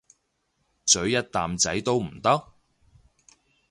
咀一啖仔都唔得？